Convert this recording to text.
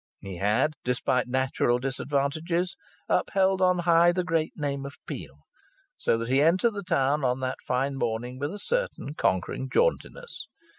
He had, despite natural disadvantages, upheld on high the great name of Peel. So that he entered the town on that fine morning with a certain conquering jauntiness.